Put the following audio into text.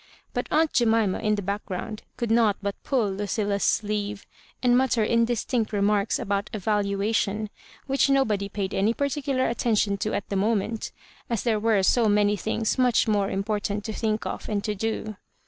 But aunt Jemima, in the background, could not but pull Ludlla's sleeve, and mutter indistinct remarks about a valuation, which .nobody paid any partici^ar attention to at the moment^ as there were so many thin^ much more important to think of and to do.